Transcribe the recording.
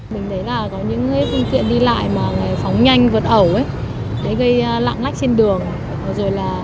mình thấy là có những phương tiện đi lại mà phóng nhanh vượt ẩu ấy gây lạng lách trên đường